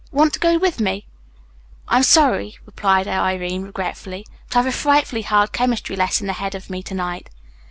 Want to go with me?" "I'm sorry," replied Irene regretfully, "but I've a frightfully hard chemistry lesson ahead of me to night."